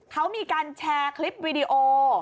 เขามีการแชร์คลิปวิดีโอ